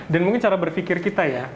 dan mungkin cara berpikir kita ya